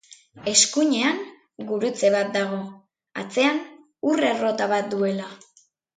Eskuinean, gurutze bat dago, atzean ur-errota bat duela.